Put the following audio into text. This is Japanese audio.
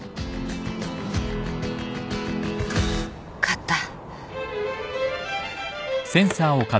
勝った。